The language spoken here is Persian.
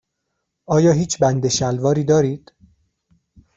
آیا هیچ بند شلواری دارید؟